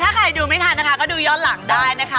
ถ้าใครดูไม่ทานก็ดูยอดหลังได้นะคะ